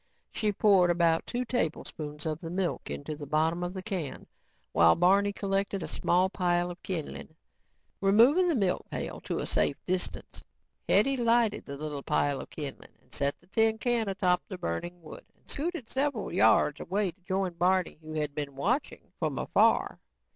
She poured about two tablespoons of the milk into the bottom of the can while Barney collected a small pile of kindling. Removing the milk pail to a safe distance, Hetty lighted the little pile of kindling, set the tin can atop the burning wood and scooted several yards away to join Barney who had been watching from afar.